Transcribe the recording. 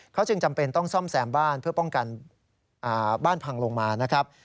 เขาจึงจำเป็นต้องซ่อมแซมบ้านเพื่อป้องกันบ้านพังลงมานะครับ